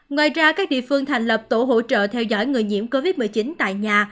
ngoài ra các địa phương thành lập tổ hỗ trợ theo dõi người nhiễm covid một mươi chín tại nhà